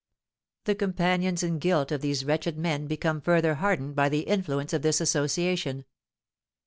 The companions in guilt of these wretched men become further hardened by the influence of this association.